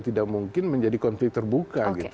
tidak mungkin menjadi konflik terbuka gitu